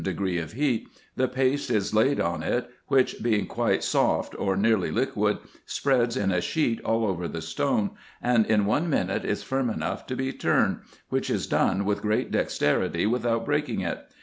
85 degree of heat, the paste is laid on it, which being quite soft, or nearly liquid, spreads in a sheet all over the stone, and in one minute is firm enough to be turned, which is done with great dexterity without breaking it.